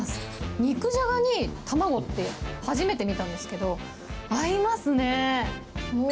肉じゃがに卵って初めて見たんですけど、合いますね。